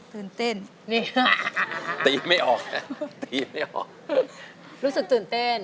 ตื่นเต้นนี่ตีไม่ออกแล้วตีไม่ออกรู้สึกตื่นเต้น